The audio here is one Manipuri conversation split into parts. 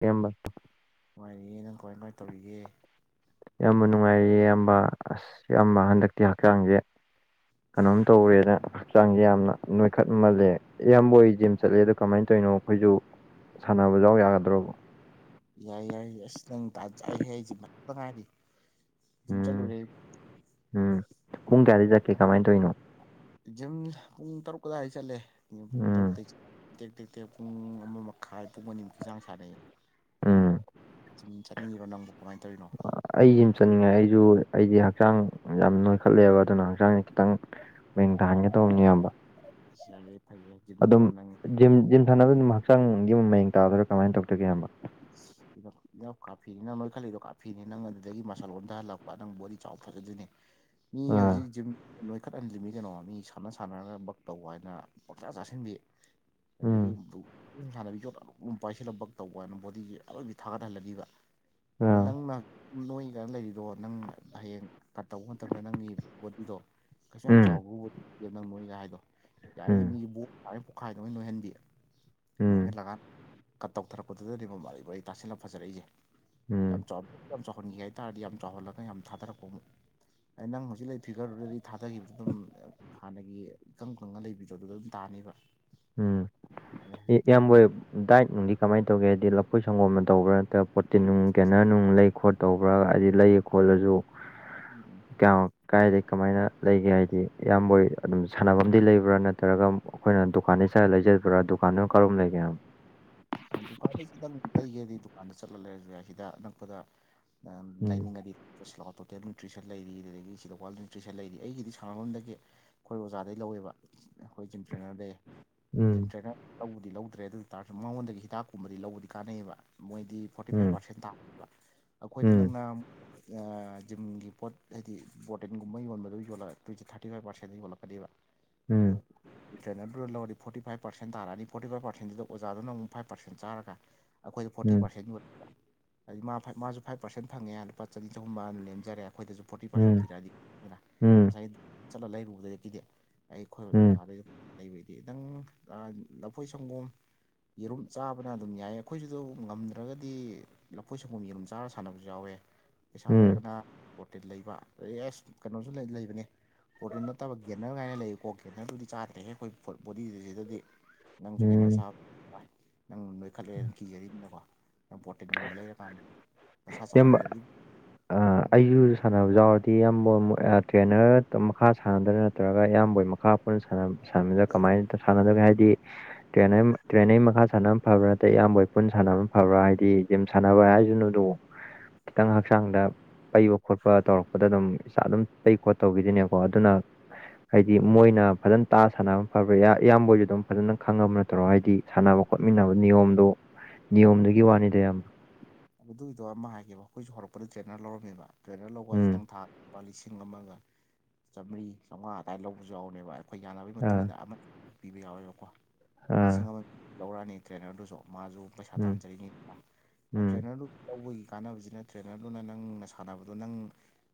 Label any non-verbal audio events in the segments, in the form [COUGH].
ꯏꯌꯥꯝꯕ ꯅꯨꯡꯉꯥꯏꯔꯤꯌꯦ ꯅꯪ ꯀꯃꯥꯏ ꯀꯃꯥꯏ ꯇꯧꯔꯤꯒꯦ ꯏꯌꯥꯝꯕ ꯅꯨꯡꯉꯥꯏꯔꯤꯌꯦ ꯏꯌꯥꯝꯕ ꯑꯁ ꯏꯌꯥꯝꯕ ꯎꯝ ꯍꯟꯗꯛꯇꯤ ꯍꯛꯆꯥꯡꯁꯦ ꯀꯩꯅꯣꯝ ꯇꯧꯔꯦꯗ ꯍꯛꯆꯥꯡꯁꯦ ꯌꯥꯝꯅ ꯅꯣꯏꯈꯠꯃꯜꯂꯦ ꯑꯌꯥꯝꯕ ꯑꯣꯏ ꯖꯤꯝ ꯆꯠꯂꯦ ꯑꯗꯣ ꯀꯃꯥꯏꯅ ꯇꯧꯔꯤꯅꯣ ꯑꯩꯈꯣꯏꯁꯨ ꯁꯥꯟꯅꯕ ꯌꯥꯎ ꯌꯥꯒꯗ꯭ꯔꯣꯕ ꯌꯥꯏ ꯌꯥꯏꯏ ꯑꯁ ꯅꯪ ꯑꯩ ꯑꯩꯁꯦ ꯃꯠ ꯃ ꯉꯥꯏꯔꯤ ꯑꯗꯨꯝ ꯎꯝ ꯆꯠꯂꯨꯔꯦ ꯎꯝ ꯄꯨꯡ ꯀꯌꯥꯗ ꯆꯠꯀꯦ ꯀꯃꯥꯏꯅ ꯇꯧꯔꯤꯅꯣ ꯨꯝ ꯄꯨꯡ ꯇꯔꯨꯛ ꯀꯗꯥꯏꯗ ꯆꯠꯂꯦ ꯄꯨꯡ ꯎꯝ ꯇꯔꯨꯛꯇꯇꯩꯒꯤ ꯆ ꯇꯦꯛ ꯇꯦꯛ ꯇꯦꯛ ꯄꯨꯡ ꯑꯃ ꯃꯈꯥꯏ ꯄꯨꯡ ꯑꯅꯤꯃꯨꯛꯀꯤ ꯆꯥꯡ ꯁꯥꯟꯅꯩꯑꯌꯦ ꯎꯥ ꯆꯠꯅꯤꯡꯉꯤꯔꯣ ꯅꯪꯕꯨ ꯀꯃꯥꯏꯅ ꯇꯧꯔꯤꯅꯣ ꯑꯩꯁꯤ ꯆꯠꯅꯤꯡꯉꯥꯏ ꯑꯩꯁꯨ ꯑꯩꯗꯤ ꯍꯛꯆꯥꯡ ꯌꯥꯝ ꯅꯣꯏꯈꯠꯂꯦꯕ ꯑꯗꯨꯅ ꯍꯛꯆꯥꯡꯁꯦ ꯈꯤꯇꯪ ꯃꯌꯦꯡ ꯇꯍꯟꯒꯦ ꯇꯧꯕꯅꯤ ꯏꯌꯥꯝꯕ [UNINTELLIGIBLE] ꯐꯩꯌꯦ ꯖꯤꯟꯗꯣ ꯅꯪ ꯁꯥꯟ ꯑꯗꯨ ꯑꯗꯨꯝ ꯍꯛꯆꯥꯡꯒꯤ ꯑꯃ ꯃꯌꯦꯡ ꯇꯥꯗꯣꯏꯔ ꯀꯃꯥꯏꯅ ꯇꯧꯗꯒꯦ ꯏꯌꯥꯝꯕ ꯀꯥꯞꯐꯤꯅꯤ ꯅꯪ ꯃꯔꯅ ꯈꯜꯂꯤꯗꯣ ꯀꯥꯞꯐꯤꯅꯤ ꯅꯪ ꯑꯗꯨꯗꯒꯤ ꯃꯁꯥ ꯂꯣꯟꯝꯗꯍꯜꯂꯛꯄ ꯅꯪ ꯕꯣꯗꯤ ꯆꯥꯎ ꯐꯖꯗꯣꯏꯅꯦ ꯃꯤ ꯑꯥ ꯍꯧꯖꯤꯛ ꯖꯤꯝ ꯄꯥꯈꯠꯍꯟꯜꯂꯤꯅꯤ ꯀꯩꯅꯣ ꯃꯤ ꯁꯥꯟꯅ ꯁꯥꯟꯅꯔꯒ ꯇꯧꯕ ꯍꯥꯏꯅ ꯄꯪꯆꯥ ꯆꯥꯁꯤꯟꯕꯤ ꯑꯗꯒꯤ ꯎꯝ ꯁꯥꯟꯅꯕꯤ ꯌꯣꯠ ꯑꯆꯧ ꯄꯥꯏꯁꯤꯜꯂ ꯄꯛ ꯇꯧꯕꯅ ꯕꯣꯗꯤ ꯑꯗꯨꯒꯤ ꯑꯔꯣꯏꯕꯤ ꯊꯥꯒꯠꯍꯜꯂꯕꯤꯕ ꯑꯗꯨ ꯑꯥ ꯅꯪꯅ ꯅꯣꯏ ꯀꯩ ꯂꯩꯔꯤꯗꯣ ꯅꯪ ꯍꯌꯦꯡ ꯀꯠ ꯇꯧꯕ ꯃꯇꯝꯗ ꯅꯪꯒꯤ ꯕꯣꯗꯤꯗꯣ ꯀꯩꯁꯨ ꯌꯥꯝ ꯎꯝ ꯆꯥꯎꯕꯕꯦ ꯅꯪ ꯅꯣꯏꯒ ꯍꯥꯏꯗꯣ ꯎꯝ ꯌꯥꯔꯤꯗꯣ ꯃꯤꯁꯤ ꯕꯣꯝ ꯄꯣꯈꯥꯏꯗꯧꯅ ꯅꯣꯏꯍꯟꯕꯤ ꯎꯝ ꯅꯣꯏꯍꯜꯂꯒ ꯀꯠ ꯇꯧꯊꯔꯛꯄꯗꯨꯗꯗꯤ ꯃꯜ ꯑꯗꯨꯕꯨ ꯑꯩ ꯇꯁꯤꯜꯂ ꯐꯖꯔꯛꯏꯁꯦ ꯎꯝ ꯌꯥꯝ ꯆꯥꯎ ꯌꯥꯝ ꯆꯥꯎꯍꯟꯈꯤ ꯍꯥꯏ ꯍꯥꯏꯇꯥꯥꯔꯗꯤ ꯌꯥꯝ ꯆꯥꯎꯍꯜꯂꯒ ꯌꯥꯝ ꯊꯥꯗꯔꯛꯄ ꯑꯃꯨꯛ ꯅꯪ ꯍꯧꯖꯤꯛ ꯂꯩ ꯐꯤꯚꯝꯗꯨꯗꯗꯤ ꯊꯥꯗꯈꯤꯕ ꯑꯗꯨꯝ ꯍꯥꯟꯅꯒꯤ ꯏꯀꯪ ꯈꯪꯉ ꯂꯩꯕꯤꯗꯣ ꯑꯗꯨꯗ ꯑꯗꯨꯝ ꯇꯥꯅꯤꯕ ꯎꯝ ꯑꯦ ꯏꯌꯥꯝꯕ ꯁꯥꯟꯅꯩ ꯗꯥꯏꯠ ꯅꯨꯡꯗꯤ ꯀꯃꯥꯏꯅ ꯇꯧꯒꯦ ꯍꯥꯏꯗꯤ ꯂꯐꯣꯏ ꯁꯪꯒꯣꯝꯅ ꯇꯧꯕ꯭ꯔꯥ ꯅꯠꯇ꯭ꯔ ꯄꯣꯠꯇꯤꯟ ꯅꯨꯡ ꯀꯦꯅꯣ ꯅꯨꯡ ꯂꯩ ꯈꯣꯠ ꯇꯧꯕ꯭ꯔꯥ ꯍꯥꯏꯗꯤ ꯂꯩ ꯈꯣꯠꯂꯁꯨ ꯀꯌꯥ ꯀꯥꯏꯗ ꯀꯃꯥꯏꯅ ꯂꯩꯒꯦ ꯍꯥꯏꯗꯤ ꯏꯌꯥꯝꯕ ꯑꯗꯨꯝ ꯁꯥꯟꯅꯐꯝꯗꯤ ꯂꯩꯕ꯭ꯔꯥ ꯅꯠꯇ꯭ꯔꯒ ꯑꯩꯈꯣꯏꯅ ꯗꯨꯀꯥꯟꯗꯩ ꯆꯠꯂ ꯂꯩꯖꯗꯕ꯭ꯔꯥ ꯗꯨꯀꯥꯟꯗꯨꯅ ꯀꯔꯣꯝ ꯂꯩꯒꯦꯕ꯫ ꯗꯨꯀꯥꯟꯗ ꯈꯤꯇꯪ ꯂꯩꯒꯦꯗꯤ ꯗꯨꯀꯥꯟꯗ ꯆꯠꯂ ꯂꯩꯔꯁꯨ ꯌꯥꯏ ꯁꯤꯗ ꯑꯅꯛꯄꯗ ꯃꯌꯥꯝ ꯎꯝ ꯂꯥꯏꯅꯤꯡ ꯉꯗꯤ ꯂꯥꯎ ꯇꯣꯇꯦꯜ ꯅ꯭ꯌꯨꯇ꯭ꯔꯤꯁꯟ ꯂꯩꯔꯤ ꯑꯗꯨꯗꯒꯤ ꯁꯤꯗ ꯋꯥꯋꯦꯜ ꯅ꯭ꯌꯨꯇ꯭ꯔꯤꯁꯟ ꯂꯩꯔꯤ ꯑꯩꯒꯤꯗꯤ ꯁꯥꯟꯅꯐꯝꯗꯒꯤ ꯑꯩꯈꯣꯏ ꯑꯣꯖꯥꯗꯩ ꯂꯧꯋꯦꯕ ꯑꯩꯈꯣꯏ ꯖꯤꯝ ꯇ꯭ꯔꯦꯅꯔꯗꯩ ꯖꯤꯝ ꯎꯝ ꯇꯔꯦꯟꯅꯔ ꯂꯧꯕꯨꯗꯤ ꯂꯧꯗ꯭ꯔꯦ ꯑꯗꯨ ꯑꯣꯏ ꯇꯥꯔꯁꯨ ꯃꯉꯣꯟꯗꯒꯤ ꯍꯤꯗꯥꯛꯀꯨꯝꯕꯗꯤ ꯂꯧꯕꯗꯤ ꯀꯥꯟꯅꯩꯕ ꯃꯣꯏꯗꯤ ꯐꯣꯔꯇꯤ ꯐꯥꯏꯚ ꯎꯝ ꯄꯥꯔꯁꯦꯟ ꯇꯥꯕꯅꯦꯕ ꯑꯩꯈꯣꯏꯗ ꯅꯪꯅ ꯖꯤꯝꯒꯤ ꯄꯣꯠ ꯍꯥꯏꯗꯤ ꯕꯣꯔꯇꯤꯟꯒꯨꯝꯕ ꯌꯣꯟꯕꯗꯨ ꯌꯣꯜꯂꯛ ꯊꯥꯔꯇꯤ ꯐꯥꯏꯚ ꯄꯥꯔꯁꯦꯟꯗ ꯌꯣꯜꯂꯛꯀꯅꯤꯕ [INAUDIBLE] ꯇ꯭ꯔꯦꯟꯅꯔꯗꯨꯗ ꯂꯧꯔꯗꯤ ꯐꯣꯔꯇꯤ ꯐꯥꯏꯚ ꯄꯥꯔꯦꯟ ꯇꯔꯛꯑꯅꯤ ꯐꯣꯔꯇꯤ ꯐꯥꯏꯚ ꯄꯥꯔꯁꯦꯟꯗꯨꯗ ꯑꯣꯖꯥꯅ ꯑꯃꯨꯛ ꯐꯥꯏꯚ ꯄꯥꯔꯁꯦꯟ ꯆꯥꯔꯒ ꯑꯩꯈꯣꯏꯗ ꯐꯣꯔꯇꯤ ꯎꯝ ꯄꯥꯔꯁꯦꯟ ꯌꯣꯠ ꯍꯥꯏ ꯢ ꯃꯥ ꯐꯥꯏꯚ ꯃꯥꯁꯨ ꯐꯥꯏꯚ ꯄꯥꯔꯁꯦꯟ ꯐꯪꯉꯦ ꯂꯨꯄꯥ ꯆꯅꯤ ꯆꯍꯨꯝ ꯃꯅ ꯂꯦꯝꯖꯔꯦ ꯑꯈꯣꯏꯗꯁꯨ ꯐꯣꯔꯇꯤ ꯄꯥꯔꯁꯦꯟ ꯎꯝ ꯄꯤꯔꯛꯑꯅꯤ ꯑꯗꯨꯅ ꯎꯝ ꯎꯝ ꯉꯁꯥꯏ ꯆꯠꯂ ꯂꯩꯔꯨꯕꯗꯒꯤꯗꯤ ꯑꯩꯈꯣꯏ ꯎꯝ ꯑꯣꯖꯥꯗꯒꯤ ꯂꯩꯕꯩꯗꯤ ꯅꯪ ꯑꯥ ꯂꯐꯣꯏ ꯁꯪꯒꯣꯝ ꯌꯦꯔꯨꯝ ꯆꯥꯕꯅ ꯑꯗꯨꯝ ꯌꯥꯏ ꯑꯩꯈꯣꯏꯁꯨ ꯑꯗꯨ ꯉꯝꯗ꯭ꯔꯒꯗꯤ ꯂꯐꯣꯏ ꯁꯪꯒꯣꯝ ꯌꯦꯔꯨꯝ ꯆꯥꯔ ꯁꯥꯟꯅꯕꯁꯨ ꯌꯥꯎꯋꯦ ꯄꯩꯁꯥ ꯎꯝ ꯂꯩꯔꯒꯅ ꯂꯩꯕ ꯑꯩ ꯑꯦꯁ ꯀꯩꯅꯣꯁꯨ ꯂꯩ ꯂꯩꯕꯅꯦ꯫ ꯄ꯭ꯔꯣꯇꯤꯟ ꯅꯠꯇꯕ ꯒꯦꯅꯔ ꯒꯥꯏꯅ ꯂꯩꯀꯣ ꯒꯦꯅꯔꯗꯨꯗꯤ ꯆꯥꯗ꯭ꯔꯦꯍꯦ ꯑꯈꯣꯏ ꯕꯣꯗꯤ ꯖꯤꯗꯗꯤ꯫ ꯅꯪꯖꯨ ꯎꯝ ꯒꯦꯅꯔ [UNINTELLIGIBLE] ꯅꯪ ꯅꯣꯏꯈꯠꯂꯦ ꯅ ꯀꯤꯅꯤꯅꯀꯣ ꯅꯪ ꯄꯣꯔꯇꯤꯟꯒꯨꯝꯕ ꯂꯩꯔꯀꯥꯟ ꯅꯁꯥ ꯏꯌꯥꯝꯕ ꯆꯥꯎꯈꯠ ꯑ, [UNINTELLIGIBLE] ꯎꯝ ꯑꯩꯁꯨ ꯁꯥꯟꯅꯕ ꯌꯥꯎꯔꯗꯤ ꯏꯌꯥꯝꯕ ꯃꯣ ꯑꯥ ꯇ꯭ꯔꯦꯅꯔ ꯃꯈꯥ ꯁꯥꯟꯅꯗꯣꯔ ꯅꯠꯇ꯭ꯔꯒ ꯑ ꯏꯌꯥꯝꯕꯣꯢ ꯃꯈꯥ ꯁꯥꯟꯅꯕꯗ ꯀꯃꯥꯏꯅ ꯁꯥꯟꯅꯗꯒꯦ ꯍꯥꯏꯗꯤ ꯇ꯭ꯔꯦꯟꯅꯔ ꯇ꯭ꯔꯦꯟꯅꯔ ꯃꯈꯥ ꯁꯥꯟꯅ ꯐꯕ꯭ꯔꯥ ꯅꯠꯇꯔ ꯏꯌꯥꯝꯕꯍꯣꯏ ꯄꯨꯟꯅ ꯁꯥꯟꯅꯕꯅ ꯐꯕ꯭ꯔꯥ ꯍꯥꯏꯗꯤ ꯖꯤꯝ ꯁꯥꯟꯅꯕ ꯍꯥꯏꯖꯇꯕꯨ ꯫ ꯈꯤꯇꯪ ꯍꯛꯆꯥꯡꯗ ꯄꯩꯕ ꯈꯣꯠꯄ ꯇꯧꯔꯛꯄꯗ ꯑꯗꯨꯝ ꯏꯁꯥ ꯑꯗꯨꯝ ꯄꯩ ꯈꯣꯠꯇꯧꯕꯒꯤꯗꯤꯅꯦꯀꯣ ꯑꯗꯨꯅ ꯍꯥꯏꯗꯤ ꯃꯣꯏꯅ ꯐꯖꯅ ꯇꯥ ꯁꯥꯟꯅꯕ ꯐꯕ꯭ꯔꯥ ꯏꯌꯥꯝꯕꯁꯨ ꯑꯗꯨꯝ ꯐꯖꯅ ꯈꯪꯉꯕ ꯅꯠꯇꯔꯣ ꯍꯥꯏꯗꯤ ꯁꯥꯟꯅꯕ ꯈꯣꯠꯃꯤꯟꯅꯕ ꯅꯤꯌꯣꯝꯗꯣ ꯅꯤꯌꯣꯝꯗꯨꯒꯤ ꯋꯥꯅꯤꯗ ꯏꯌꯥꯝꯕ ꯑꯗꯨꯗꯨꯒꯤꯗꯣ ꯑꯃ ꯍꯥꯏꯒꯦꯕ ꯑꯩꯈꯣꯏꯁꯨ ꯍꯧꯔꯛꯄꯗ ꯇ꯭ꯔꯦꯟꯅꯔ ꯂꯧꯔꯝꯃꯦꯕ ꯇ꯭ꯔꯦꯟꯅꯔ ꯂꯧꯕ ꯍꯥꯏꯁꯤ ꯎꯝ ꯅꯪ ꯊꯥꯗ ꯂꯨꯄꯥ ꯂꯤꯁꯤꯡ ꯑꯃꯒ ꯆꯥꯃꯔꯤ ꯆꯥꯝꯃꯉꯥ ꯑꯗꯨꯃꯥꯏꯅ ꯂꯧꯕꯁꯨ ꯌꯥꯎꯅꯦꯕ ꯑꯩꯈꯣꯏ ꯌꯥꯅꯕꯒꯤ ꯃꯇꯨꯡ ꯑꯥ ꯏꯟꯅ ꯑꯃ ꯄꯤꯕ ꯌꯥꯎꯋꯦꯕꯀꯣ ꯂꯤꯁꯤꯡ ꯑꯥ ꯑꯃ ꯂꯧꯔꯛꯑꯅꯤ ꯇ꯭ꯔꯦꯅꯔꯗꯨꯁꯨ ꯃꯥꯁꯨ ꯄꯩꯁꯥ ꯎꯝ ꯇꯥꯟꯖꯔꯤꯅꯤꯗꯅ ꯎꯝ ꯇ꯭ꯔꯦꯟꯅꯔꯗꯨ ꯂꯧꯕꯒꯤ ꯀꯥꯟꯅꯕꯁꯤꯅ ꯇ꯭ꯔꯦꯅꯔꯗꯨꯅ ꯅꯪꯅ ꯁꯥꯟꯅꯕꯗꯣ ꯅꯪ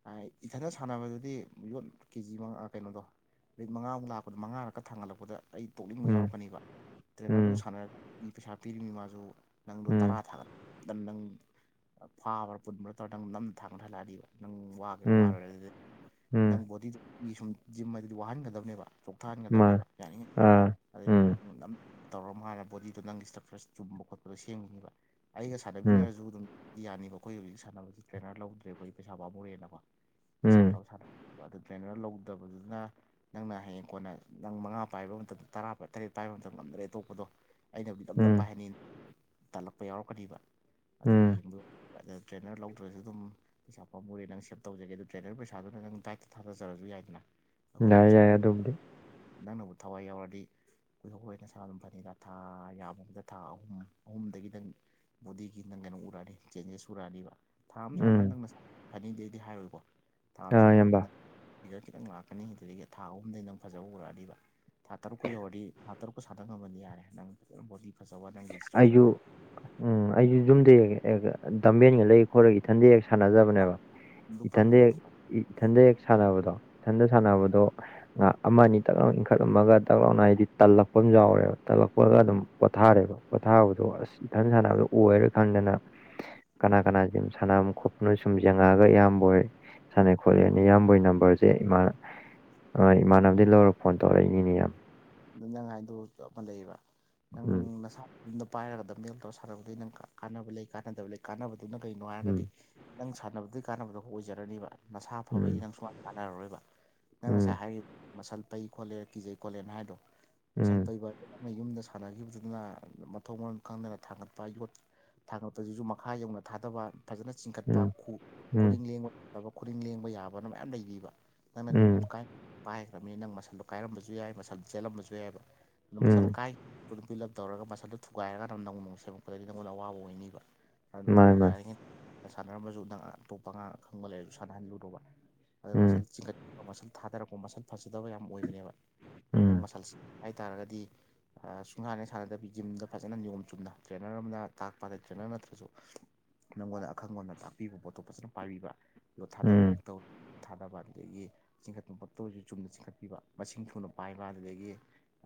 ꯀꯥꯏ ꯏꯊꯟꯗ ꯁꯥꯟꯅꯕꯗꯨꯗꯤ ꯌꯣꯠ ꯀꯦꯖꯤ ꯃꯉꯥ ꯀꯩꯅꯣꯗꯣ꯫ ꯔꯤꯛ ꯃꯉꯥꯃꯨꯛ ꯂꯥꯛꯄꯗ ꯃꯉꯥꯔꯛꯀ ꯊꯥꯡꯍꯜꯂꯛꯄꯗ ꯑꯩ ꯇꯣꯛꯅꯤꯡꯕ ꯎꯝ ꯌꯥꯎꯔꯛꯀꯅꯤꯕ ꯇ꯭ꯔꯦꯅꯔꯗꯨ ꯎꯝ ꯁꯥꯟꯅ ꯄꯩꯁꯥ ꯄꯤꯔꯤꯝꯅꯤ ꯃꯥꯁꯨ ꯅꯪꯗꯨ ꯇꯔꯥ ꯎꯝ ꯊꯥꯒꯠ ꯗꯟ ꯅꯪ ꯐꯥꯕ꯭ꯔꯥ ꯄꯨꯟꯕ꯭ꯔꯥ ꯇꯧꯔ ꯅꯪ ꯅꯝ ꯊꯥꯡꯒꯠꯍꯜꯂꯛꯑꯗꯤꯕ ꯅꯪ ꯋꯥ [UNINTELLIGIBLE] ꯎꯝ ꯑꯗꯨꯗꯤ ꯎꯝ ꯅꯪ ꯕꯣꯗꯤꯗꯨꯒꯤ ꯁꯨꯝ ꯖꯤꯝ ꯑꯗꯨꯗꯤ ꯋꯥꯍꯟꯒꯗꯕꯅꯦꯕ꯫ ꯃꯥ ꯆꯣꯛꯊꯍꯟꯒꯗꯕꯅꯦꯕ ꯌꯥ ꯑꯥ ꯎꯝ [UNINTELLIGIBLE] ꯇꯧꯔ ꯃꯥꯥꯟꯅ ꯕꯣꯗꯤꯗꯣ ꯅꯪꯒꯤ ꯏꯁ꯭ꯇ꯭ꯔꯛꯆꯔ ꯆꯨꯝꯕ ꯈꯣꯠꯄꯗꯣ [UNINTELLIGIBLE] ꯑꯩꯒ ꯎꯝ ꯁꯥꯟꯅꯕꯤꯅꯔꯁꯨ ꯑꯗꯨꯝ꯫ ꯌꯥꯅꯤꯕ ꯑꯈꯣꯏ ꯍꯧꯖꯤꯛ ꯁꯥꯟꯅꯕꯒꯤ ꯇ꯭ꯔꯦꯅꯔ ꯂꯧꯗ꯭ꯔꯦ ꯑꯩꯈꯣꯏ ꯄꯩꯁꯥ ꯄꯥꯝꯃꯨꯔꯦꯅꯀꯣ꯫ ꯏꯁꯥ ꯎꯝ ꯇꯣꯝ [UNINTELLIGIBLE] ꯇ꯭ꯔꯦꯅꯔ ꯂꯧꯗꯕꯗꯨꯅ꯫ ꯅꯪꯅ ꯍꯌꯦꯡ ꯀꯣꯟꯅ ꯅꯪ ꯃꯉꯥ ꯄꯥꯏꯕ ꯃꯇꯝꯗ ꯇꯔꯥ ꯇꯔꯦꯠ ꯄꯥꯏꯕ ꯃꯇꯝꯗ ꯉꯝꯗ꯭ꯔꯦ ꯇꯣꯛꯄꯗꯣ ꯑꯩꯅꯕꯨꯗꯤ ꯅꯝꯗꯝ ꯎꯝ ꯄꯥꯏꯍꯟꯅꯤ ꯇꯥꯜꯂꯛꯄ ꯌꯥꯎꯔꯛꯀꯅꯤꯕ ꯑꯗꯨꯒꯤ ꯎꯝ ꯌꯦꯡꯕ ꯇꯔ꯭ꯦꯅꯔ ꯂꯧꯗ꯭ꯔꯁꯨ ꯗꯨꯝ ꯄꯩꯁꯥ ꯄꯥꯃꯨꯔꯦ ꯅꯪ ꯁꯦꯞ ꯇꯧꯖꯒꯦ ꯑꯗꯨ ꯇ꯭ꯔꯦꯅꯔ ꯄꯩꯁꯥꯗꯨꯅ ꯅꯪ ꯗꯥꯥꯏꯠ ꯊꯥꯗꯖꯔꯁꯨ ꯌꯥꯏꯗꯅ꯫ ꯑꯈꯣꯢꯒꯨꯝ ꯌꯥꯏ ꯌꯥꯏ ꯁꯥꯟꯅꯅꯤ ꯑꯗꯨꯕꯨꯗꯤ ꯅꯪꯅꯕꯨ ꯊꯋꯥꯏ ꯌꯥꯎꯔꯗꯤ [UNINTELLIGIBLE] ꯑꯗꯨꯝ ꯐꯅꯤꯗ ꯊꯥ ꯌꯥꯝꯕ ꯑꯃꯗ ꯊꯥ ꯑꯍꯨꯝ ꯑꯍꯨꯝꯗꯒꯤꯗꯪ ꯕꯣꯗꯤꯒꯤ ꯅꯪ ꯀꯩꯅꯣ ꯎꯔꯛꯑꯅꯤ ꯆꯦꯟꯖꯦꯁ ꯎꯔꯛꯑꯅꯤꯕ ꯊꯥ ꯑꯃ ꯎꯝ ꯁꯥꯟꯅꯔ ꯅꯪ ꯅꯁꯥ ꯐꯅꯤ ꯗꯤ ꯑꯩꯗꯤ ꯍꯥꯏꯔꯣꯏꯀꯣ ꯊꯥ ꯑꯃ ꯑꯥ ꯏꯌꯥꯝꯕ ꯁꯥꯟꯅꯕꯗꯅ ꯖꯜ ꯈꯤꯇꯪ ꯂꯥꯛ ꯑꯅꯤꯗꯨꯗꯒꯤ ꯊꯥ ꯑꯍꯨꯝꯗꯩ ꯅꯪ ꯐꯖꯕ ꯎꯔꯛꯑꯗꯤꯕ ꯊꯥ ꯇꯔꯨꯛꯀ ꯌꯧꯔꯗꯤ ꯊꯥ ꯇꯔꯨꯛꯀ ꯁꯥꯗ ꯉꯝꯃꯅꯤ ꯌꯥꯔꯦ ꯅꯪ ꯕꯣꯗꯤ [UNINTELLIGIBLE] ꯅꯪꯒꯤ ꯏꯁꯇ꯭ꯔꯛꯆꯔ ꯗꯣ ꯑꯩꯖꯨ ꯌꯨꯝꯗꯩ [UNINTELLIGIBLE] ꯗꯝꯕꯦꯟꯒ ꯂꯩ ꯍꯣꯏꯔꯒ ꯏꯊꯟꯗ ꯍꯦꯛ ꯁꯥꯟꯅꯖꯕꯅꯦꯕ ꯑꯗꯨ ꯏꯊꯟꯗ ꯄꯥꯏꯔꯨꯅꯨ ꯍꯦꯛ ꯑꯗꯨ ꯏ ꯏꯊꯟꯗ ꯍꯦꯛ ꯁꯥꯟꯅꯕꯗꯣ ꯏꯊꯟꯗ ꯁꯥꯟꯅꯕꯗꯣ ꯉꯍꯥ ꯑꯃ ꯑꯅꯤ ꯇꯛ ꯂꯥꯎ ꯏꯟꯈꯠꯂꯝꯃꯒ ꯇꯛ ꯂꯥꯎꯅ ꯍꯥꯏꯗꯤ ꯇꯜꯂꯛꯄ ꯑꯝ ꯌꯥꯎꯔꯦꯕ ꯇꯜꯂꯛꯄꯒ ꯑꯗꯨꯝ ꯄꯣꯊꯥꯔꯦꯕ꯫ ꯄꯣꯊꯥꯕꯗꯣ ꯑꯁ ꯏꯊꯟ ꯁꯥꯟꯅꯕꯗꯣ ꯑꯣꯏꯔ ꯈꯪꯗꯅ ꯀꯅꯥ ꯀꯅꯥ ꯖꯤꯝ ꯁꯥꯅꯝꯅꯣ ꯈꯣꯞꯅꯨ ꯁꯨꯝ ꯌꯦꯡꯉꯛꯑꯒ ꯏꯌꯥꯝꯕꯣꯏ ꯁꯥꯟꯅꯩ ꯈꯣꯠꯂꯦ ꯑꯅꯤ ꯏꯌꯥꯝꯕꯩ ꯅꯝꯕꯔꯁꯦ ꯏꯃꯥꯅ ꯍꯣꯏ ꯏꯃꯥꯟꯅꯕꯗꯩ ꯂꯧꯔ ꯐꯣꯟ ꯇꯧꯔꯛꯏꯅꯤꯅꯦ ꯌꯥꯝ ꯑꯗꯨ ꯅꯪ ꯍꯥꯏꯗꯨ ꯎꯝ [UNINTELLIGIBLE] ꯄꯥꯏꯔꯒꯗ ꯃꯜ ꯇꯧꯔ ꯁꯥꯟꯛꯅꯕꯗ ꯅꯪ ꯀꯥꯟꯅꯕ ꯂꯩ ꯀꯥꯟꯅꯗꯕ ꯂꯩ ꯀꯥꯟꯅꯕꯗꯨꯅ ꯀꯩꯅꯣ ꯍꯥꯏꯔꯒꯗꯤ ꯎꯝ ꯅꯪ ꯁꯥꯟꯅꯕꯗꯩ ꯀꯥꯟꯅꯕꯗ ꯑꯣꯏꯖꯔꯅꯤꯕ ꯅꯁꯥ ꯐꯕꯒꯤ ꯎꯝ ꯅꯪ ꯁꯨꯡꯃꯅ ꯀꯥꯟꯅꯔꯔꯣꯏꯕ ꯅꯪ ꯉꯁꯥꯏ ꯍꯥꯏꯔꯤ ꯃꯁꯜ ꯄꯩ ꯈꯣꯠꯂꯦ ꯀꯤꯖꯩ ꯈꯣꯠꯂꯦꯅ ꯍꯥꯏꯕꯗꯣ ꯃꯁꯜ ꯎꯝ ꯄꯩꯕꯅ ꯌꯨꯝꯗ ꯁꯥꯟꯅꯈꯤꯕꯗꯨꯅ ꯃꯊꯣꯡ ꯃꯔꯣꯟ ꯈꯪꯗꯅ ꯊꯥꯡꯒꯠꯄ ꯌꯣꯠ ꯊꯥꯡꯒꯠꯄꯁꯤꯁꯨ ꯃꯈꯥ ꯌꯧꯅ ꯊꯥꯗꯕ ꯐꯖꯅ ꯆꯤꯡꯈꯠꯄ ꯎꯝ ꯎꯝ ꯎꯝ ꯈꯨꯔꯤꯡ ꯂꯦꯡꯕ ꯌꯥꯕ ꯈꯨꯗꯤꯡ ꯂꯦꯡꯕ ꯌꯥꯕꯅ ꯃꯌꯥꯝ ꯂꯩꯕꯤꯕ ꯅꯪꯅ ꯅꯤꯌꯣꯝꯗꯨ ꯎꯝ ꯀꯥꯏ ꯄꯥꯏꯈ꯭ꯔꯕꯅꯤ ꯅꯪ ꯃꯁꯜꯗꯣ ꯀꯥꯏꯔꯝꯕꯁꯨ ꯌꯥꯏ ꯃꯁꯜꯗꯨ ꯆꯦꯜꯂꯝꯕꯁꯨ ꯌꯥꯏꯕ ꯎꯝ ꯃꯁꯜ ꯀꯥꯏ ꯑꯗꯨ ꯄꯤꯂꯛ ꯇꯧꯔꯒ ꯃꯁꯗꯨ ꯊꯨꯒꯥꯏꯔꯒꯥꯟꯗ ꯅꯪ ꯅꯣꯡ ꯁꯦꯝꯃꯛꯄꯗꯒꯤ ꯅꯪꯉꯣꯟꯗ ꯑꯋꯥꯕ ꯑꯣꯏꯅꯤꯕ ꯃꯥꯅꯤ ꯑꯗꯨꯗꯨ ꯃꯥꯅꯤ ꯌꯥꯔꯤꯉꯩ ꯁꯥꯟꯅꯔꯝꯕꯁꯨ ꯅꯪ ꯑꯇꯣꯞꯄ ꯑꯥꯡ ꯈꯪꯕ ꯂꯩꯔꯁꯨ ꯁꯥꯟꯅꯍꯜꯂꯨꯗꯕ ꯑꯗꯨ ꯎꯝ ꯃꯁꯜ ꯆꯤꯡꯈꯠꯄ ꯃꯁꯜ ꯊꯥꯗꯔꯛꯄ ꯃꯁꯜ ꯐꯖꯗꯕ ꯌꯥꯝ ꯑꯣꯏꯕꯅꯦꯕ ꯅꯪ ꯎꯝ ꯃꯁ ꯍꯥꯏꯇꯥꯔꯒꯗꯤ꯫ ꯑ ꯁꯨꯡꯍꯥꯟꯅꯩ ꯁꯥꯟꯅꯗꯕꯤ ꯖꯤꯝꯗ ꯐꯖꯅ ꯅꯤꯌꯣꯝ ꯆꯨꯝꯅ ꯇ꯭ꯔꯦꯅꯔ ꯑꯃꯅ ꯇꯥꯛꯄ ꯇ꯭ꯔꯦꯅꯔ ꯑꯝ ꯅꯠꯇ꯭ꯔꯁꯨ ꯅꯪꯉꯣꯟꯗ ꯑꯈꯪꯕꯝꯅ ꯇꯥꯛꯄꯤꯕ ꯄꯣꯇꯣꯞ ꯐꯖꯅ ꯄꯥꯏꯕꯤꯕ ꯌꯣꯠ ꯎꯝ ꯊꯥꯗꯕꯕꯧ ꯇꯩ ꯊꯥꯅꯕ ꯑꯗꯨꯗꯩꯒꯤ ꯆꯤꯡꯈꯠ ꯄꯣꯇꯣ ꯑꯣꯢꯔꯁꯨ ꯆꯨꯝꯅ ꯆꯤꯡꯈꯠꯄꯤꯕ ꯃꯁꯤꯡ ꯊꯨꯅ ꯄꯥꯏꯕ ꯑꯗꯒꯤ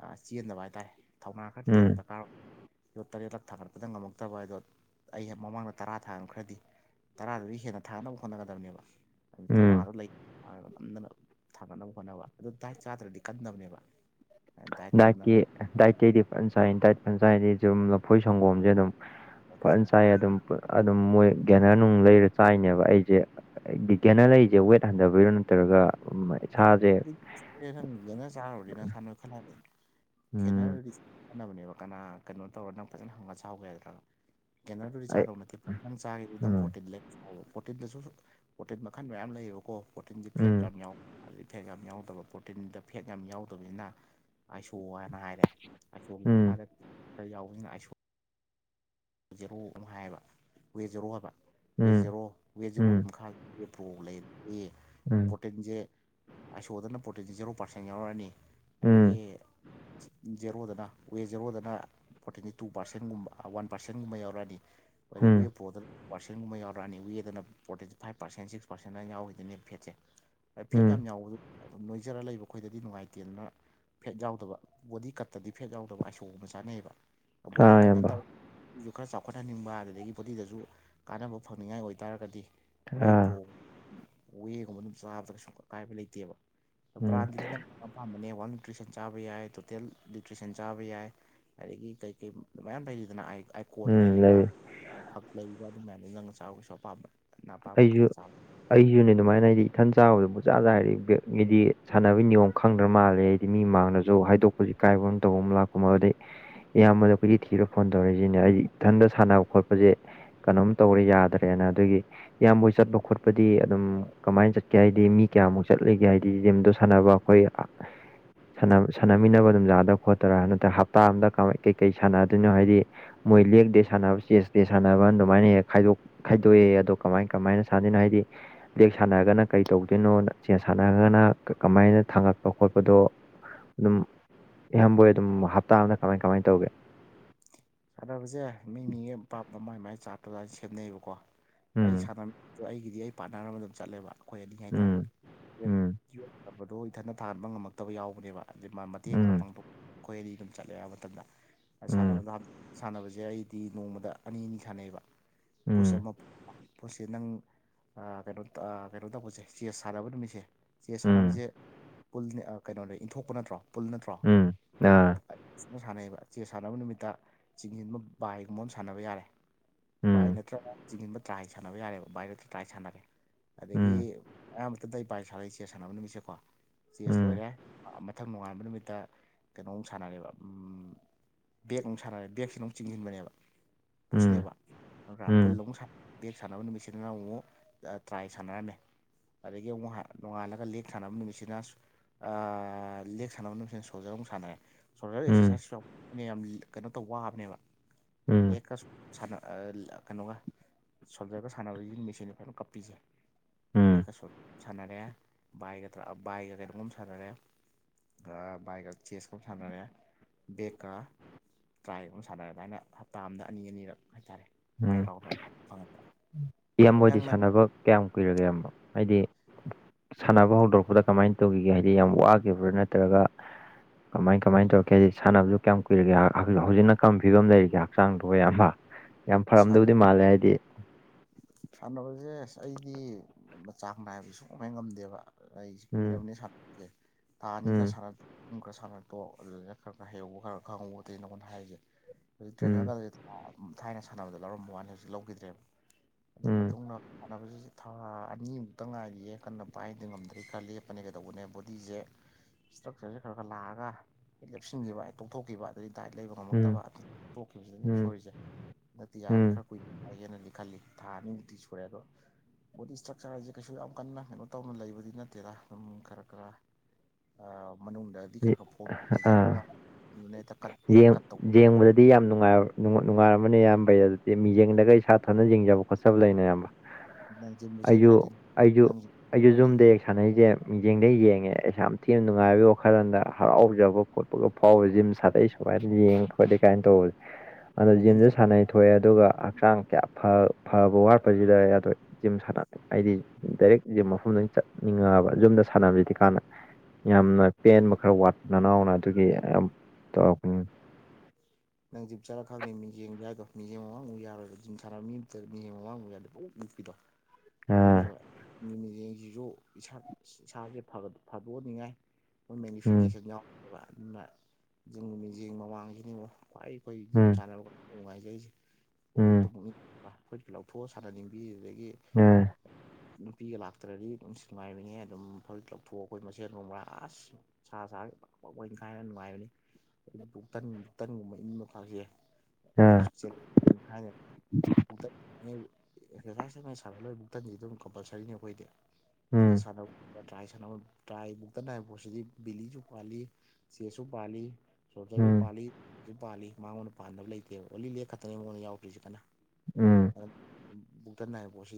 ꯑ ꯆꯦꯟꯗꯕ ꯍꯥꯏꯇꯥꯔꯦ ꯊꯧꯅꯥ ꯈꯔꯗꯤ ꯂꯩꯕ ꯎꯝ ꯗꯀ ꯇꯥꯔꯣ ꯌꯣꯠ ꯇꯔꯦꯠꯂꯛ ꯊꯥꯒꯠꯄꯗ ꯉꯝꯃꯛꯇꯕ ꯍꯥꯏꯗꯣ ꯑꯩ ꯃꯃꯥꯡꯗ ꯇꯔꯥ ꯊꯥꯡꯈ꯭ꯔꯗꯤ ꯇꯔꯥꯗꯨꯗꯩ ꯍꯦꯟꯅ ꯊꯥ ꯅꯕ ꯍꯣꯠꯅꯒꯗꯕꯅꯦꯕ ꯎꯝ ꯊꯧꯅꯥꯗꯣ ꯂꯩ ꯅꯝꯗꯅ ꯊꯥꯡꯒꯠꯅꯕ ꯍꯣꯠꯅꯕ ꯑꯗꯨ ꯗꯥꯏꯠ ꯆꯥꯗ꯭ꯔꯗꯤ ꯀꯟꯗꯝꯅꯦꯕ꯫ ꯗꯥꯏꯀꯤ ꯗꯥꯏꯇꯩꯗꯤ ꯐꯥꯏ ꯗꯥꯏꯠ ꯄ ꯆꯥꯏꯗꯤꯝ ꯂꯐꯣꯏ ꯁꯪꯒꯣꯝꯁꯦ ꯑꯗꯨꯝ ꯑꯗꯨ ꯐꯖꯅ ꯆꯥꯔ ꯆꯥꯏ ꯐꯔꯦ ꯑꯗꯨꯝ ꯑꯗꯨꯝ ꯃꯣꯏ ꯒ꯭ꯌꯥꯅꯔ ꯅꯨꯡ ꯂꯩꯔ ꯆꯥꯏꯅꯦꯕ ꯑꯩꯁꯦ ꯕꯤꯒ꯭ꯌꯥꯅ ꯂꯩꯔꯤꯁꯦ ꯋꯦꯠ ꯍꯟꯊꯕꯩꯔꯣ ꯅꯠꯇ꯭ꯔꯒ ꯎꯝ, ꯏꯁꯥꯁꯦ ꯪꯅ ꯆꯥꯔꯨꯔꯅꯤꯅ ꯁꯥꯟꯅꯅꯕ ꯈꯜꯂꯅꯤ ꯎꯝ ꯈꯦꯠꯅꯔꯨꯔꯗꯤ ꯍꯣꯠꯅꯕꯅꯦꯕ ꯀꯅꯥ ꯀꯩꯅꯣ ꯇꯧꯔ ꯅꯪ ꯐꯖꯅ ꯍꯪꯒ ꯆꯥꯎꯥꯎꯒꯦ ꯍꯥꯏꯗ꯭ꯔꯅ ꯀꯦꯅꯔꯗꯨꯗꯤ ꯑꯩ ꯆꯥꯗꯕ ꯅꯦ ꯄꯪ ꯆꯥꯈꯤꯕ ꯑꯗꯨꯗꯝ ꯎꯝ ꯐꯣꯔꯇꯤꯟ ꯂꯦꯛ ꯐꯥꯎꯋ ꯄ꯭ꯔꯣꯇꯤꯟꯗꯁꯨ ꯄ꯭ꯔꯣꯇꯤꯟ ꯃꯈꯜ ꯃꯌꯥꯝ ꯂꯩꯌꯦꯕꯀꯣ ꯄ꯭ꯔꯣꯇꯤꯟꯁꯦ ꯐꯦꯠ ꯎꯝ ꯌꯥꯝ ꯌꯥꯎꯋ ꯑꯗꯨꯗꯤ ꯐꯦꯠ ꯌꯥꯝ ꯌꯥꯎꯗꯕ ꯄ꯭ꯔꯣꯇꯤꯟꯗ ꯐꯦꯠ ꯌꯥꯝ ꯌꯥꯎꯗꯕꯅꯤꯅ ꯑꯥꯏꯁꯣ ꯍꯥꯏꯅ ꯍꯥꯏꯔꯦ ꯑꯁꯣꯒꯤ ꯎꯝ ꯃꯈꯥꯗ ꯈ ꯌꯥꯎꯋꯅ ꯑꯁ ꯖꯦꯔꯣ ꯑꯃ ꯍꯥꯏꯌꯦꯕ ꯋꯦꯠ ꯖꯦꯔꯣ ꯍꯥꯏꯕ ꯋꯦ ꯎꯝ ꯖꯦꯔꯣ ꯋꯦꯠ ꯖꯦꯔꯣ ꯎꯝ ꯈ ꯄꯣ ꯂꯩ ꯎꯝ ꯄ꯭ꯔꯣꯇꯤꯟꯁꯦ ꯑꯥꯏꯁꯣꯗꯅ ꯄ꯭ꯔꯇꯦꯟꯁꯤ ꯖꯦꯔꯣ ꯄꯥꯔꯁꯦꯟ ꯌꯥꯎꯔꯛꯑꯅꯤ ꯑꯗꯒꯤ ꯎꯝ ꯖꯦꯔꯣꯗꯅ ꯋꯦ ꯖꯦꯔꯣꯗꯅ ꯐꯣꯔꯇꯤ ꯇꯨ ꯄꯥꯔꯁꯦꯟꯒꯨꯝꯕ ꯋꯥꯟ ꯄꯔꯁꯦꯟꯒꯤ ꯃ ꯑꯣ ꯔꯥꯗꯤ ꯋꯦꯕ ꯎꯝ ꯐꯣꯔꯗ ꯄꯥꯔꯁꯦꯟꯒꯨꯝꯕ ꯌꯥꯎꯔꯛꯑꯅꯤ ꯋꯦꯗꯅ forty five percent six percent ꯌꯥꯎꯈꯤꯗꯨꯣꯏꯅꯦ ꯐꯦꯠꯁꯦ ꯐꯦꯠ ꯎꯝ ꯌꯥꯝ ꯌꯥꯎꯕꯗ ꯑꯗꯨꯝ ꯅꯣꯏꯖꯔ ꯂꯩꯕ ꯑꯩꯈꯣꯏꯗꯗꯤ ꯅꯨꯡꯉꯥꯏꯇꯦꯅ ꯐꯦꯠ ꯌꯥꯎꯗꯕ ꯕꯣꯗꯤ ꯀꯠꯇꯗꯤ ꯐꯦꯠ ꯌꯥꯎꯗꯕ ꯑꯥꯏꯁꯣ ꯑꯃ ꯆꯥꯅꯩꯑꯕ ꯕꯣꯗꯤ ꯑꯥ ꯀꯠ ꯏꯌꯥꯝꯕ ꯅꯠꯇꯕ ꯨ ꯈꯔ ꯆꯥꯎꯈꯠꯍꯟꯅꯤꯡꯕ ꯑꯗꯨꯗꯒꯤ ꯕꯣꯗꯤꯗꯁꯨ ꯀꯥꯟꯅꯕ ꯐꯪꯅꯤꯡꯉꯥꯏ ꯑꯣꯏꯇꯥꯔꯒꯗꯤ ꯋꯦ ꯑꯥ ꯄ꯭ꯔꯣ ꯋꯦꯒꯨꯝꯕ ꯑꯗꯨꯝ ꯆꯥꯕꯗ ꯀꯩꯁꯨ ꯑꯀꯥꯏꯕ ꯂꯩꯇꯦꯕ ꯎꯝ ꯕ꯭ꯔꯥꯟꯗꯨꯗꯤ ꯅꯄꯥꯝꯕꯅꯦ ꯋꯥꯜ ꯅ꯭ꯌꯨꯇ꯭ꯔꯤꯁꯟ ꯆꯥꯕ ꯌꯥꯏ ꯇꯣꯇꯦꯜ ꯅ꯭ꯌꯨꯇ꯭ꯔꯤꯁꯟ ꯆꯥꯕ ꯌꯥꯏ ꯑꯗꯒꯤ ꯀꯩ ꯀꯩ ꯃꯌꯥꯝ ꯂꯩꯔꯤꯗꯅ ꯀꯣꯟ ꯎꯝ ꯂꯩꯔꯤꯕ ꯂꯩ ꯍꯛ ꯂꯩꯔꯤꯕ ꯑꯗꯨꯃꯥꯏꯅꯗꯨ ꯅꯪ ꯆꯥꯕꯒꯤꯁꯨ ꯑꯄꯥꯝꯕ ꯅꯪꯅ ꯑꯄꯥꯝꯕ ꯑꯩꯁꯨ ꯈꯜꯂ ꯆꯥꯕ ꯌꯥꯏ꯫ ꯑꯩꯁꯨꯅꯦ ꯑꯗꯨꯃꯥꯏꯅ ꯍꯥꯏꯗꯤ ꯏꯊꯟ ꯆꯥꯕ [UNINTELLIGIBLE] ꯁꯥꯟꯅꯕꯒꯤ ꯅꯤꯌꯣꯝ ꯈꯪꯗ꯭ꯔ ꯃꯥꯜꯂꯦ ꯍꯥꯏꯗꯤ ꯃꯤ ꯃꯥꯡꯗꯁꯨ ꯍꯥꯏꯗꯣꯛ ꯍꯧꯖꯤꯛ ꯀꯥꯏꯕ ꯑꯃ ꯇꯧꯕ ꯑꯃ ꯂꯥꯛꯄ ꯃꯗꯩ ꯏꯌꯥꯝꯕꯗ ꯑꯩꯈꯣꯏꯗꯤ ꯊꯤꯔꯣ ꯐꯣꯟ ꯇꯧꯔꯛꯏꯁꯤꯅꯦ ꯑꯩꯗꯤ ꯏꯊꯟꯇ ꯁꯥꯟꯅꯕ ꯈꯣꯠꯄꯁꯦ ꯀꯩꯅꯣꯝ ꯇꯧꯔꯦ ꯌꯥꯗ꯭ꯔꯦꯅ ꯑꯗꯨꯒꯤ ꯏꯌꯥꯝꯕꯣꯏ ꯆꯠꯄ ꯈꯣꯠꯄꯗꯤ ꯑꯗꯨꯝ ꯀꯃꯥꯏꯅ ꯆꯠꯀꯦ ꯍꯥꯏꯗꯤ ꯃꯤ ꯀꯌꯥꯃꯨꯛ ꯆꯠꯂꯤꯒꯦ ꯍꯥꯏꯗꯤ ꯖꯤꯝꯗꯣ ꯁꯥꯟꯅꯕ ꯑꯩꯈꯣꯏ [UNINTELLIGIBLE] ꯁꯥꯟꯅꯃꯤꯟꯅ ꯑꯗꯨꯝ ꯌꯥꯗ꯭ꯔ ꯈꯣꯠꯇꯔ ꯅꯠꯇ꯭ꯔꯦ ꯍꯞꯇꯥ ꯑꯝꯗ ꯀꯃ ꯀꯩꯀꯩ ꯁꯥꯟꯅꯗꯣꯏꯅꯣ ꯍꯥꯏꯗꯤ ꯃꯣꯏ ꯂꯦꯛꯇꯦ ꯁꯥꯟꯅꯕ ꯆꯦꯁꯇꯦ ꯁꯥꯟꯅꯕ ꯑꯗꯨꯃꯥꯏꯅ ꯍꯦꯛ ꯈꯥꯏꯗꯣꯛꯑꯦ ꯑꯗꯣ ꯀꯃꯥꯏ ꯀꯃꯥꯏꯅ ꯁꯥꯖꯤꯅ ꯍꯥꯏꯗꯤ ꯁꯥꯟꯅꯔꯒꯅ ꯀꯩ ꯇꯧꯗꯣꯏꯅꯣ ꯆꯦꯟ ꯁꯥꯟꯅꯔꯒꯅ ꯀꯃꯥꯏꯅ ꯊꯥꯡꯉꯛꯄ ꯈꯣꯠꯄꯗꯣ ꯑꯗꯨꯝ ꯏꯍꯕꯣꯏ ꯑꯗꯨꯝ ꯍꯞꯇꯥ ꯑꯃꯗ ꯀꯃꯥꯏ ꯀꯃꯥꯏꯅ ꯇꯧꯒꯦ ꯁꯥꯟꯅꯕꯁꯦ ꯃꯤ ꯃꯤꯒ ꯄꯞ ꯃꯃꯥꯏ ꯃꯃꯥꯏ ꯆꯥꯄ ꯑꯗꯨꯅ ꯁꯦꯝꯅꯩꯑꯕꯀꯣ ꯑꯩ ꯎꯝ ꯁꯥꯟꯅ ꯑꯗꯣ ꯑꯩꯒꯤꯗꯤ ꯑꯩ ꯄꯥꯠꯅꯔ ꯑꯃ ꯑꯗꯨꯝ ꯆꯠꯂꯦꯕ ꯑꯩꯈꯣꯏ ꯑꯅꯤ ꯎꯝ ꯎꯝ ꯍꯥꯏꯇꯥꯔꯦꯕꯗꯣ ꯏꯊꯅ ꯊꯥꯍꯟꯕ ꯉꯝꯃꯛꯇꯕ ꯌꯥꯎꯕꯅꯦꯕ ꯑꯗꯨ ꯃꯥ ꯃꯇꯦꯡ ꯈꯔ ꯎꯝ ꯄꯥꯡꯊꯣꯛ ꯑꯩꯈꯣꯏ ꯑꯅꯤ ꯑꯗꯨꯝ ꯆꯠꯂꯦ ꯍꯥꯏꯕ ꯃꯇꯝꯗ ꯎꯝ ꯁꯥꯟꯅꯕꯗ ꯁꯥꯟꯅꯕꯁꯦ ꯑꯩꯗꯤ ꯅꯣꯡꯃꯗ ꯑꯅꯤ ꯑꯅꯤ ꯁꯥꯟꯅꯩꯑꯕ ꯄꯨꯁ ꯎꯝ ꯑꯃ ꯄꯣꯠꯁꯦ ꯅꯪ ꯀꯩꯅꯣ ꯀꯩꯅꯣ ꯇꯧꯕꯁꯦ ꯆꯦꯁ ꯁꯥꯟꯅꯕ ꯅꯨꯃꯤꯠꯁꯦ ꯆꯦ ꯎꯝ ꯁꯥꯟꯅꯕꯁꯦꯜ ꯀꯩꯅꯣꯅꯦ ꯏꯟꯊꯣꯛꯄ ꯅꯠꯇ꯭ꯔꯣ ꯄꯨꯜ ꯅꯠꯇ꯭ꯔꯣ ꯎꯝ ꯑꯥ ꯅ ꯁꯥꯟꯅꯩꯑꯕ ꯆꯦ ꯁꯥꯟꯅꯕ ꯅꯨꯃꯤꯠꯇ ꯆꯤꯡꯁꯤꯟꯕ ꯕꯥꯏꯒꯨꯝꯕ ꯑꯃ ꯁꯥꯟꯅꯕ ꯌꯥꯔꯦ ꯕꯥꯏ ꯎꯝ ꯅꯠꯇ꯭ꯔꯒ ꯆꯤꯡꯁꯤꯟꯕ ꯇ꯭ꯔꯥꯏ ꯁꯥꯟꯅꯕ ꯌꯥꯔꯦꯕ ꯕꯥꯏꯔ ꯇ꯭ꯔꯥꯏ ꯁꯥꯟꯅꯔꯦ ꯎꯝ ꯑꯗꯒꯤ ꯑꯌꯥꯝ [UNINTELLIGIBLE] ꯆꯦꯁ ꯁꯥꯟꯅꯕ ꯅꯨꯃꯤꯠꯁꯦꯀꯣ ꯆꯦꯁ ꯎꯝ ꯂꯣꯏꯔꯦ ꯃꯊꯪ ꯅꯣꯉꯥꯟꯕ ꯅꯨꯃꯤꯠꯇ ꯀꯩꯅꯣꯝ ꯁꯥꯟꯅꯔꯦꯕ ꯕꯦꯛ ꯑꯃꯨꯛ ꯁꯥꯟꯅꯔꯦ ꯕꯦ ꯐꯤꯅꯨꯡ ꯆꯤꯡꯁꯤꯟꯕꯅꯦꯕ ꯎꯝ ꯄꯨꯁꯅꯦꯕ ꯑꯗꯨꯒ ꯎꯝ ꯄꯨꯜꯂꯅꯨꯡ ꯕꯦꯛ ꯁꯥꯟꯅꯕ ꯅꯨꯃꯤꯠꯁꯤꯗꯅ ꯑꯃꯨꯛ ꯇ꯭ꯔꯥꯏ ꯁꯥꯟꯅꯔꯝꯃꯦ ꯑꯗꯒꯤ ꯑꯃꯨꯛ ꯅꯣꯡꯉꯥꯜꯂꯒ ꯂꯦꯛ ꯊꯥꯅꯕ ꯅꯨꯃꯤꯠꯁꯤꯅ ꯂꯦꯛ ꯁꯥꯟꯅꯕ ꯅꯨꯃꯤꯁꯤꯅ ꯁꯣꯜꯖꯔ ꯑꯃꯨꯛ ꯁꯥꯟꯅꯔꯦ ꯁꯣꯗꯔ ꯎꯝ ꯑꯦꯛꯁꯔꯁꯥꯏꯁꯁꯨ ꯌꯥꯝ ꯀꯩꯅꯣ ꯇꯧ ꯋꯥꯕꯅꯦꯕ ꯎꯝ ꯂꯦꯛꯀꯁꯨ ꯁꯥꯟꯅ [UNINTELLIGIBLE] ꯀꯩꯅꯣꯒ ꯁꯣꯝꯖꯔꯒ ꯁꯥꯟꯅꯕꯗꯒꯤ ꯃꯦꯁꯤꯗ ꯐꯣꯏꯅ ꯀꯞꯄꯤꯁꯦ ꯎꯝ ꯌꯦꯛꯀꯁꯨꯠ ꯁꯥꯟꯅꯔꯦ ꯕꯥꯏꯒ ꯕꯥꯏꯒ ꯀꯩꯅꯣꯝꯒꯨꯝ ꯁꯥꯟꯅꯔꯦ ꯕꯥꯏꯀ ꯆꯦꯁꯀꯨꯝ ꯁꯥꯟꯅꯔꯦ ꯕꯦꯛꯒꯀ ꯇ꯭ꯔꯥꯏ ꯑꯃ ꯁꯥꯟꯅꯔꯃꯥꯏꯅ ꯍꯞꯇꯥ ꯑꯝꯗ ꯑꯅꯤ ꯑꯅꯤꯔꯛ ꯍꯥꯏꯇꯥꯔꯦ ꯃꯥꯏ [UNINTELLIGIBLE] ꯑꯗꯣ ꯏꯕꯣꯏꯗꯤ ꯅꯪꯅ ꯁꯥꯟꯅꯕ ꯀꯌꯥꯝ ꯀꯨꯏꯔꯒꯦ ꯌꯥꯝꯕ ꯍꯥꯏꯗꯤ ꯁꯥꯟꯅꯕ ꯍꯧꯗꯣꯔꯛꯄꯗ ꯀꯃꯥꯏꯅ ꯇꯧꯈꯤꯒꯦ ꯍꯥꯏꯗꯤ ꯌꯥꯝ ꯋꯥꯈꯤꯕ꯭ꯔꯥ ꯅꯠꯇ꯭ꯔꯒ ꯀꯃꯥꯏ ꯀꯃꯥꯏꯅ ꯇꯧꯔꯒꯦ ꯗꯤ ꯁꯥꯟꯅꯕꯁꯨ ꯀꯌꯥꯝ ꯀꯨꯏꯔꯒꯦ ꯍꯧꯖꯤꯛꯅ ꯀꯔꯝꯕ ꯐꯤꯕꯝ ꯂꯩꯔꯤꯒꯦ ꯍꯛꯆꯥꯡꯗꯣꯌꯥꯝꯕ [UNINTELLIGIBLE] ꯁꯥꯟꯅꯕꯁꯦ ꯑꯩꯗꯤ ꯃꯆꯥꯡ ꯅꯥꯏꯕꯁꯨ [UNINTELLIGIBLE] ꯉꯝꯗꯦꯕ ꯑꯩꯁ ꯎꯝ ꯀꯨꯏꯔꯕꯅꯦ [UNINTELLIGIBLE] ꯇꯥ ꯑꯅꯤꯒꯅ ꯎꯝ ꯑꯗꯨ ꯈꯔ ꯁꯥꯟꯅꯔꯄꯣ ꯑꯗꯨꯗꯒ ꯈꯔ ꯈꯔ ꯍꯩꯍꯧꯕ ꯈꯔ ꯈꯪꯍꯧꯕ ꯅ ꯑꯩꯉꯣꯟꯗ ꯍꯥꯏꯔꯤꯁꯦ ꯍꯧꯖꯤꯛ ꯎꯝ ꯇ꯭ꯔꯦꯅꯔꯒꯗ ꯊꯥꯏꯅ ꯁꯥꯟꯅꯕꯗ ꯂꯧꯔꯝꯕ ꯋꯥꯅꯤ ꯍꯧꯖꯤꯛ ꯂꯧꯈꯤꯗ꯭ꯔꯦꯕ ꯑꯗꯨꯒꯤ ꯎꯝ ꯃꯇꯨꯡꯗ ꯁꯥꯟꯅꯕꯁꯤ ꯊꯥ ꯑꯅꯤꯃꯨꯛꯇ ꯉꯥꯏꯔꯤꯌꯦ ꯀꯟꯅ ꯄꯥꯏꯗ ꯉꯝꯗ꯭ꯔꯤ ꯈꯔ ꯂꯦꯞꯄꯅꯦ ꯀꯩꯗꯧꯕꯅꯦ ꯕꯣꯗꯤꯁꯦ ꯏꯁꯇ꯭ꯔꯛꯆꯔꯁꯦ ꯈꯔ ꯈꯔ ꯂꯥꯛꯑꯒ ꯂꯦꯞꯁꯤꯟꯈꯤꯕ ꯑꯩ ꯇꯣꯛꯊꯣꯛꯈꯤꯕ ꯑꯗꯩ ꯗꯥꯏꯠ ꯂꯩꯕ ꯉꯝꯃꯛꯇꯕ ꯎꯝ ꯑꯗꯨ ꯇꯣꯛꯈꯤꯕꯁꯤꯗ ꯑꯗꯨ ꯎꯝ ꯁꯣꯏꯔꯤꯁꯦ ꯅꯠꯇꯦ ꯌꯥꯔꯦ ꯎꯝ ꯈꯔ ꯀꯨꯏꯅꯦ ꯌꯥꯒꯦꯅꯗꯤ ꯈꯜꯂꯤ ꯊꯥ ꯑꯅꯤꯃꯨꯛꯇꯤ ꯁꯨꯔꯦ ꯑꯗꯣ ꯕꯣꯗꯤ ꯏꯁꯇ꯭ꯔꯛꯆꯔ ꯍꯥꯏꯁꯦ ꯀꯩꯁꯨ ꯌꯥꯝ ꯀꯟꯅ ꯀꯩꯅꯣ ꯇꯧꯅ ꯂꯩꯕꯗꯤ ꯅꯠꯇꯦꯔ ꯑꯗꯨꯝ ꯈꯔ ꯈꯔ ꯑꯥ ꯃꯅꯨꯡꯗꯗꯤ ꯎꯝ ꯈꯔ ꯈꯔ ꯐꯣꯝ ꯑꯥ ꯂꯩꯖꯔꯒ ꯑꯗꯨꯅ ꯍꯦꯛꯇ ꯀꯠ ꯑꯩ ꯀꯠ ꯇꯧ ꯑꯗꯨꯗꯤ ꯌꯥꯝ ꯅꯨꯡꯉꯥꯏ ꯅꯨꯡꯉꯥꯏꯔꯝꯃꯅꯤ ꯏꯌꯥꯝꯕꯩ ꯑꯗꯨꯗꯤ ꯃꯤꯌꯦꯡꯗꯒ ꯏꯁꯥ ꯊꯥꯅ ꯌꯦꯡꯖꯕ ꯈꯣꯠꯆꯕ ꯂꯩꯅ ꯑꯌꯥꯝꯕ ꯅꯪꯖꯕꯨ ꯑꯩꯁꯨ ꯖꯨꯝꯗ [UNINTELLIGIBLE] ꯍꯦꯛ ꯁꯥꯟꯅꯩꯁꯦ ꯃꯤꯌꯦꯡꯗꯩ ꯌꯦꯡꯉꯦ ꯑꯩꯁ ꯌꯥꯝ ꯊꯤꯅ ꯅꯨꯡꯉꯥꯏ ꯋꯥ ꯋꯥꯈꯜꯔꯗ ꯍꯔꯥꯎꯖꯕ ꯈꯣꯠꯄꯒ ꯐꯥꯎꯕ ꯖꯤꯝ ꯁꯥꯗꯩ ꯁꯨꯃꯥꯏꯅ ꯌꯦꯡ ꯈꯣꯠꯂꯤ ꯀꯥꯏꯅ ꯇꯧꯕꯁ ꯑꯗꯣ ꯅꯪ ꯖꯤꯝꯁꯨ ꯁꯥꯟꯅꯩ ꯊꯣꯛꯑꯦ ꯑꯗꯨꯒ ꯍꯛꯆꯥꯡ ꯀꯌꯥ ꯐꯕ ꯋꯥꯠꯄꯁꯤꯗ ꯌꯥꯗꯣꯛꯏꯦ ꯖꯤꯝ ꯁꯥꯟ ꯍꯥꯏꯗꯤ ꯗꯥꯏꯔꯦꯛ ꯖꯤꯝ ꯃꯐꯝꯗ ꯆꯠꯅꯤꯡꯉꯕ ꯖꯨꯝꯗ ꯁꯥꯟꯅꯕꯁꯤꯗꯤ ꯀꯥꯟꯅ ꯌꯥꯝꯅ ꯄꯦꯟꯕ ꯈꯔ ꯋꯥꯠꯄ ꯅꯅꯥꯎꯅ ꯑꯗꯨꯒꯤ ꯇꯧꯔꯛꯄꯅꯤ ꯅꯪ ꯝ ꯆꯥꯔꯥ ꯈꯪꯅꯦ ꯃꯤꯡ ꯌꯦꯡꯕ ꯌꯥꯏꯗꯣ ꯃꯤ ꯌꯦꯡ ꯑꯋꯥꯡ ꯑꯃꯕ ꯌꯥꯔꯣꯏꯕ ꯖꯤꯝ ꯁꯥꯥꯔ ꯃꯤ ꯑꯃ ꯃꯤꯡ ꯑꯋꯥꯡꯕꯨ ꯌꯥꯗꯦ ꯑꯣꯛ ꯎꯞꯄꯤꯗꯣ ꯑꯥ ꯑꯗꯨꯅꯦꯕ ꯅꯨ ꯃꯤꯌꯦꯡꯁꯤꯁꯨ ꯏꯁꯥ ꯏꯁꯥꯁꯦ ꯐꯥꯗꯣꯛꯍꯟꯅꯤꯡꯉꯥꯏ ꯑꯩꯣꯏ ꯎꯝ ꯃꯦꯒꯅꯤꯐꯤꯀꯦꯁꯟ ꯌꯥꯎꯕ ꯑꯗꯨꯅ ꯨꯝꯒꯤ ꯃꯤꯠꯌꯦꯡ ꯃꯃꯥꯡꯒꯤꯅꯤꯕ ꯈ꯭ꯋꯥꯏ ꯑꯩꯈꯣꯏ ꯖꯤꯝ ꯎꯝ ꯁꯥꯟꯅꯕ ꯅꯨꯡꯉꯥꯏꯖꯩꯁꯦ ꯎꯝ ꯑꯩꯈꯣꯏ ꯂꯥꯎꯊꯣꯛꯑꯣ ꯁꯥꯟꯅꯅꯤꯡꯕꯤ ꯑꯗꯨꯗꯒꯤ ꯎꯝ ꯅꯨꯄꯤꯒ ꯂꯥꯛꯇ꯭ꯔꯗꯤ ꯑꯗꯨꯝ ꯁ ꯉꯥꯏꯔꯤꯉꯦ ꯑꯗꯨꯝ ꯐꯔꯤ ꯂꯧꯊꯣꯛꯑ ꯑꯩꯈꯣꯏ ꯃꯁꯦꯟ ꯅꯣꯡꯕꯥ ꯑꯁ ꯁꯥ ꯁꯥ ꯄ ꯂ ꯀꯥꯏꯅ ꯅꯨꯡꯉꯥꯏꯕꯅꯤ ꯕꯨꯛꯇꯟ ꯕꯨꯛꯇꯟꯒꯨꯝꯕ ꯄꯨꯅꯤꯡ ꯃꯈꯁꯦ ꯑ ꯏꯈꯅ ꯕꯨꯛꯇꯟ ꯑꯦꯛꯁꯔꯁꯥꯏꯁ ꯑꯃ ꯁꯥꯥꯟꯅ ꯂꯣꯏ ꯕꯨꯛꯇꯟꯁꯤ ꯑꯗꯨꯝ ꯀꯝꯄꯜꯁꯔꯤꯅꯤ ꯑꯩꯈꯣꯏꯗꯤ ꯎꯝ ꯁꯥꯟꯅ꯭ꯔꯥꯏ ꯁꯅ ꯇ꯭ꯔꯥꯏꯃꯨꯛꯇ ꯅꯥꯏꯕ ꯄꯣꯠꯁꯤꯗꯤ ꯕꯤꯂꯤꯁꯨ ꯄꯥꯜꯂꯤ ꯆꯦꯁꯨ ꯄꯥꯜꯂꯤ ꯁꯣꯇꯔꯁꯨ ꯎꯝ ꯄꯥꯜꯂꯤ ꯁꯨ ꯄꯥꯜꯂꯤ ꯃꯉꯣꯟꯗ ꯄꯥꯟꯅꯕ ꯂꯩꯇꯦꯕ ꯑꯣ ꯂꯤ ꯂꯦꯛ ꯈꯛꯇ꯭ꯔꯅꯦ ꯑꯩꯉꯣꯟꯗ ꯌꯥꯎꯗ꯭ꯔꯤꯁꯤ ꯀꯅꯥ ꯎꯝ ꯕꯨꯛꯇ ꯅꯥꯏꯕ ꯄꯣꯠꯁꯤ